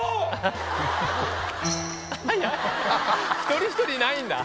一人一人ないんだ。